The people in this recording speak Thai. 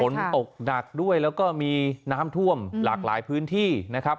ฝนตกหนักด้วยแล้วก็มีน้ำท่วมหลากหลายพื้นที่นะครับ